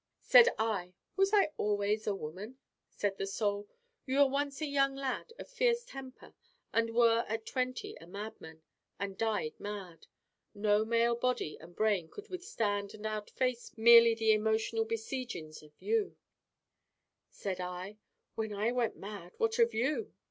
Said I: 'Was I always woman?' Said the Soul: 'You were once a young lad of fierce temper and were at twenty a madman. And died mad. No male body and brain could withstand and outface merely the emotional besiegings of you.' Said I: 'When I went mad, what of you?